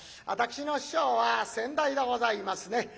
私の師匠は先代でございますね。